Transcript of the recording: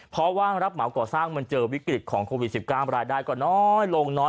เพราะว่างรับเหมาก่อสร้างมันเจอวิกฤตของโควิด๑๙รายได้ก็น้อยลงน้อย